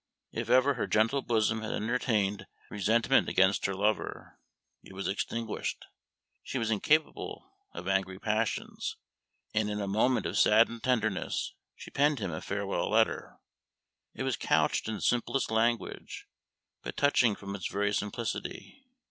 If ever her gentle bosom had entertained resentment against her lover, it was extinguished. She was incapable of angry passions, and in a moment of saddened tenderness she penned him a farewell letter. It was couched in the simplest language, but touching from its very simplicity.